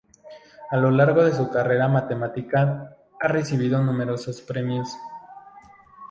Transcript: A lo largo de su carrera matemática ha recibido numerosos premios.